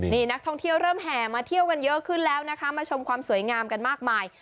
นี่นักท่องเที่ยวเริ่มแห่มาเที่ยวกันเยอะขึ้นแล้วนะคะมาชมความสวยงามกันมากมาย